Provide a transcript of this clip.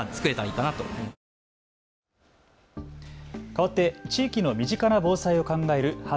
かわって地域の身近な防災を考える＃